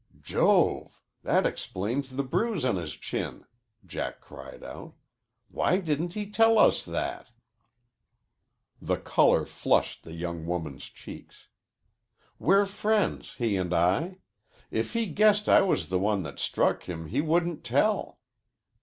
"Jove! That explains the bruise on his chin," Jack cried out. "Why didn't he tell us that?" The color flushed the young woman's cheeks. "We're friends, he and I. If he guessed I was the one that struck him he wouldn't tell."